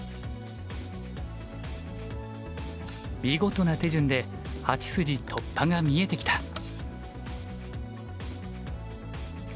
見事な手順で８筋突破が見えてきた。